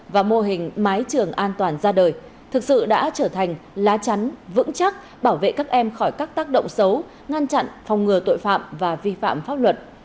và mô hình mái trường an toàn ra đời thực sự đã trở thành lá chắn vững chắc bảo vệ các em khỏi các tác động xấu ngăn chặn phòng ngừa tội phạm và vi phạm pháp luật